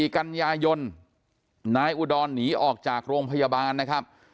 ๔กันยายนนายอุดรหนีออกจากโรงพยาบาลนะครับ